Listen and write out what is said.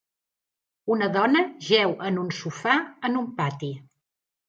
Una dona jeu en un sofà en un pati.